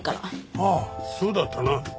ああそうだったな。